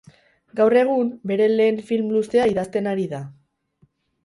Gaur egun, bere lehen film luzea idazten ari da.